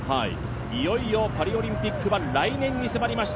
いよいよパリオリンピックは来年に迫りました。